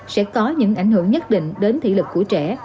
sẽ có những ảnh hưởng nhất định đến thị lực của trẻ